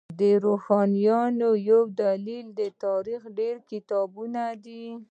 د روښانتیا یو دلیل د تاریخ ډیر کتابونه دی